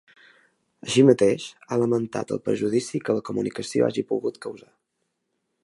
Així mateix, ha lamentat ‘el perjudici que la comunicació hagi pogut causar’.